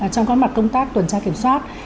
trong các mặt công tác tuần tra kiểm soát